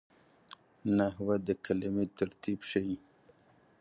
نحوه د کلمو ترتیب ښيي.